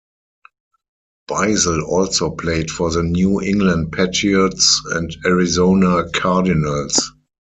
Beisel also played for the New England Patriots and Arizona Cardinals.